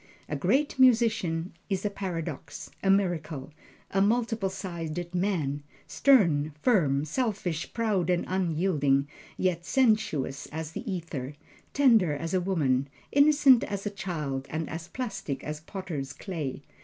A Great Musician is a paradox, a miracle, a multiple sided man stern, firm, selfish, proud and unyielding; yet sensuous as the ether, tender as a woman, innocent as a child, and as plastic as potters' clay.